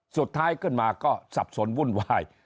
สุดท้ายขึ้นมาก็สับสนวุ่นวาย